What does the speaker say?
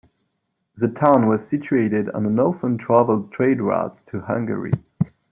The town was situated on an often traveled trade route to Hungary.